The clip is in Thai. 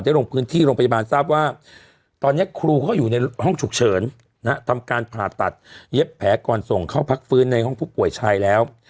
ลงพื้นที่โรงพยาบาลทราบว่าตอนนี้ครูเขาอยู่ในห้องฉุกเฉินทำการผ่าตัดเย็บแผลก่อนส่งเข้าพักฟื้นในห้องผู้ป่วยชายแล้ว